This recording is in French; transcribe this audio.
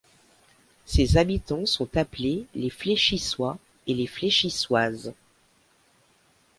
Ses habitants sont appelés les Fléchissois et les Fléchissoises.